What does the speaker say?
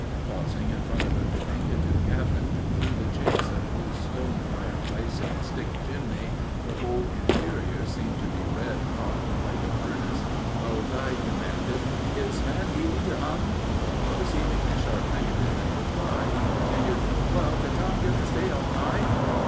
Pausing in front of a diminutive cabin, through the chinks of whose stone fireplace and stick chimney the whole interior seemed to be red hot like a furnace, our guide demanded, "Is Man Heady to hum?" Receiving a sharp negative in reply, he continued, "Well, can Tom get to stay all night?"